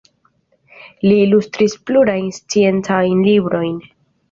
Li ilustris plurajn sciencajn librojn.